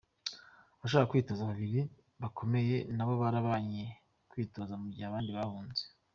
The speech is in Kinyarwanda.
Abashaka kwitoza babiri bakomeye na bo barabankiye kwitoza mu gihe abandi bahunze.